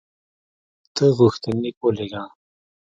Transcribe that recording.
ته غوښتنلیک ولېږه.